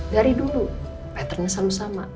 dari dulu patternnya selalu sama